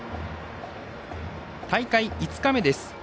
大会５日目です。